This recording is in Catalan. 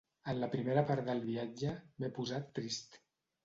En la primera part del viatge m'he posat trist.